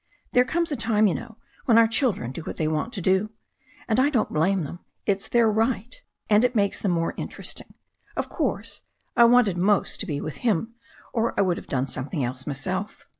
There comes a time, you know, when our children do what they want to do. And I don't blame them. It's their right, and it makes them more interesting. Of course, I wanted most to be with him, or I would have done some thing else myself.